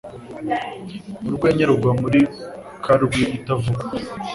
Urwenya rugwa muri karwi itavuga.